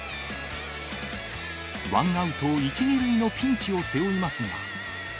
ワンアウト１、２塁のピンチを背負いますが。